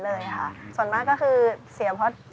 ชื่องนี้ชื่องนี้ชื่องนี้ชื่องนี้ชื่องนี้